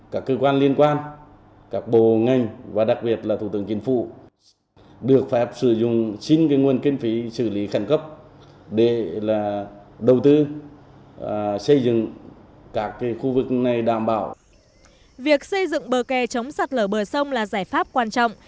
việc xây dựng bờ kè chống sạt lở bờ sông là giải pháp quan trọng